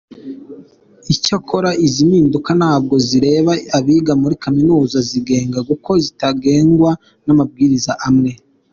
Icyakora izi mpinduka ntabwo zireba abiga muri Kaminuza zigenga kuko zitagengwa n’amabwiriza amwe.